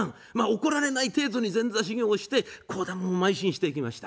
怒られないでと前座修行をしてまい進していきました。